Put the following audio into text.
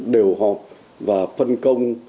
đều họp và phân công